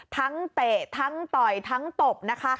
เตะทั้งต่อยทั้งตบนะคะ